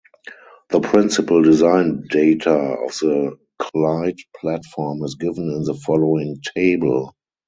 The principal design data of the Clyde platform is given in the following table.